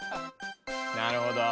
なるほど。